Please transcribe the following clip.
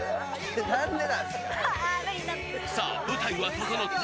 さあ、舞台は整った。